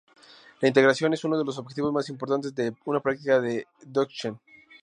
La integración es uno de los objetivos más importantes de un practicante de dzogchen.